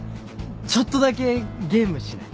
ちょっとだけゲームしない？